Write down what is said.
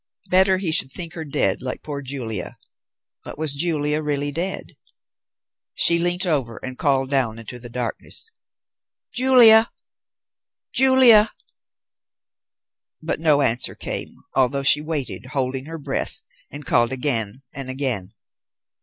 Better he should think her dead, like poor Julia. But was Julia really dead? She leant over and called down into the darkness: "Julia! Julia!" But no answer came, although she waited, holding her breath, and called again and again.